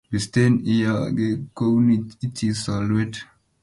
bisten iyaw gei kouni ichi solwet